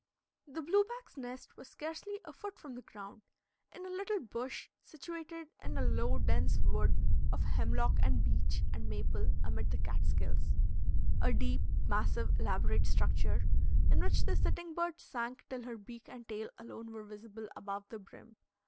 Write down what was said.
The blue back's nest was scarcely a foot from the ground, in a little bush situated in a low, dense wood of hemlock and beech and maple, amid the Catskills, a deep, massive, elaborate structure, in which the sitting bird sank till her beak and tail alone were visible above the brim.